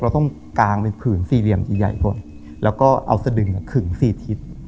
เราต้องกางเป็นผื่นสี่เหลี่ยมสี่ใหญ่ก่อนแล้วก็เอาสดึงขึงสี่ทิศ